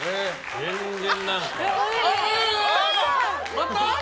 また？